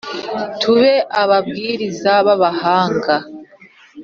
Tube ababwiriza b abahanga